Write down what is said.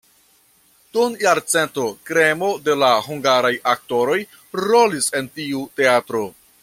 Dum jarcento kremo de la hungaraj aktoroj rolis en tiu teatro.